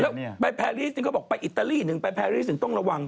แล้วไปแพรสนี่เขาบอกไปอิตาลีนึงไปแพรสนึงต้องระวัง